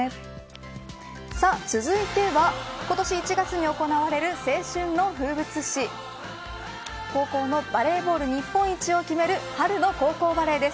続いては今年１月に行われる青春の風物詩高校のバレーボール日本一を決める春の高校バレーです。